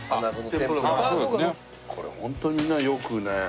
これホントみんなよくね。